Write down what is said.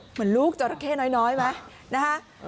เหมือนลูกจราเข้น้อยไหมนะคะ